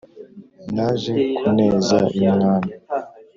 Naje ku neza y'umwami